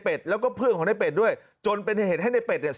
แล้วก็เพื่อนของในเป็ดด้วยจนเป็นเหตุให้ในเป็ดเนี่ย